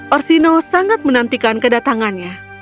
orsino sangat menantikan kedatangannya